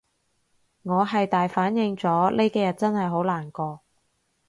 我係大反應咗，呢幾日真係好難過